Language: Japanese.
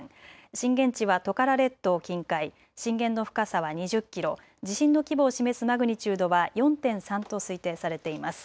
震源地はトカラ列島近海、震源の深さは２０キロ、地震の規模を示すマグニチュードは４．３と推定されています。